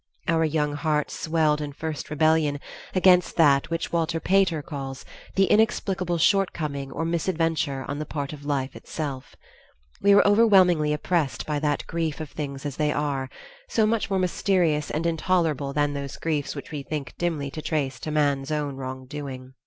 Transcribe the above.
Our young hearts swelled in first rebellion against that which Walter Pater calls "the inexplicable shortcoming or misadventure on the part of life itself"; we were overwhelmingly oppressed by that grief of things as they are, so much more mysterious and intolerable than those griefs which we think dimly to trace to man's own wrongdoing.